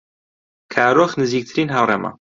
کارۆخ نزیکترین هاوڕێمە.